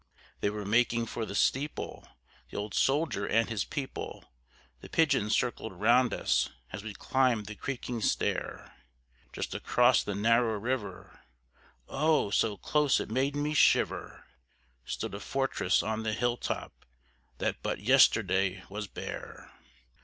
They were making for the steeple, the old soldier and his people; The pigeons circled round us as we climbed the creaking stair. Just across the narrow river oh, so close it made me shiver! Stood a fortress on the hill top that but yesterday was bare.